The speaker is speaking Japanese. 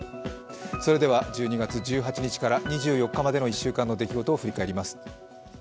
１２月１８日から２４日の１週間の出来事を振り返ります。